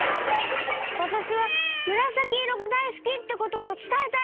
「わたしはむらさきいろがだいすき」ってこともつたえたい！